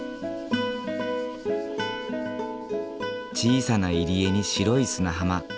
小さな入り江に白い砂浜。